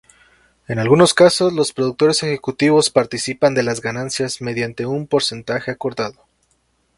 En algunos casos los productores ejecutivos participan de las ganancias, mediante un porcentaje acordado.